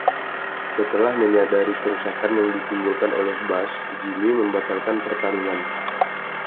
Setelah menyadari kerusakan yang ditimbulkan oleh Bush, Jimmy membatalkan pertarungan.